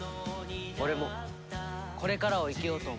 俺もこれからを生きようと思う。